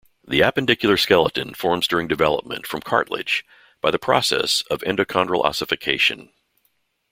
The appendicular skeleton forms during development from cartilage, by the process of endochondral ossification.